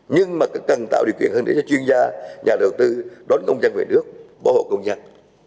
nhưng mà cần tạo điều kiện hơn để cho chuyên gia nhà đầu tư đón công dân về nước bảo hộ công dân